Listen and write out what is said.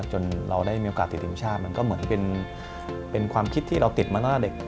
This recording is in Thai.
เราได้มีโอกาสติดทีมชาติมันก็เหมือนเป็นความคิดที่เราติดมาตั้งแต่เด็ก